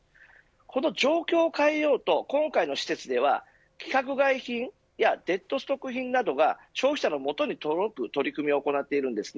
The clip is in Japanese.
この状況を変えようと今回の施設では規格外品やデッドストック品などが消費者の元に届く取り組みを行っているんです。